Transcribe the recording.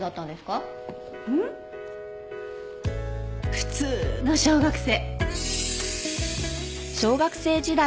普通の小学生。